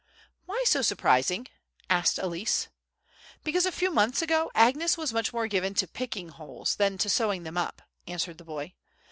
"Why so surprising?" asked Elsie. "Because a few months ago Agnes was much more given to picking holes than to sewing them up," answered the boy.